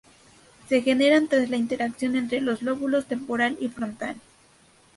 Se generan tras la interacción entre los lóbulos temporal y frontal.